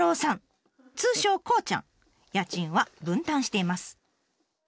通称「こーちゃん」。家賃は分担しています。